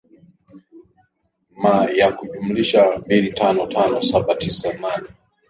ma ya kujumulisha mbili tano tano saba sita nne